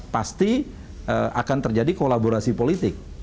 pasti akan terjadi kolaborasi politik